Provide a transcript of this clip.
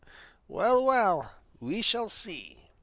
Well, well, we shall see."